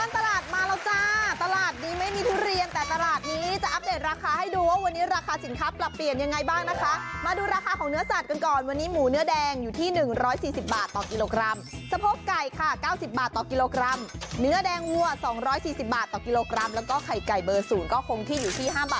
ตลาดมาแล้วจ้าตลาดดีไม่มีทุเรียนแต่ตลาดนี้จะอัปเดตราคาให้ดูว่าวันนี้ราคาสินค้าปรับเปลี่ยนยังไงบ้างนะคะมาดูราคาของเนื้อสัตว์กันก่อนวันนี้หมูเนื้อแดงอยู่ที่๑๔๐บาทต่อกิโลกรัมสะโพกไก่ค่ะ๙๐บาทต่อกิโลกรัมเนื้อแดงวัว๒๔๐บาทต่อกิโลกรัมแล้วก็ไข่ไก่เบอร์๐ก็คงที่อยู่ที่๕บาท